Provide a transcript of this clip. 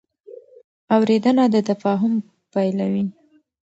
اورېدنه د تفاهم پیلوي.